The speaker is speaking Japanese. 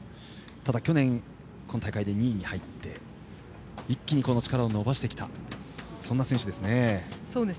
ただ、去年本大会で２位に入って一気に力を伸ばしてきた選手です。